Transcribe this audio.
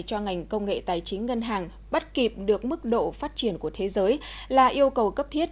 cho ngành công nghệ tài chính ngân hàng bắt kịp được mức độ phát triển của thế giới là yêu cầu cấp thiết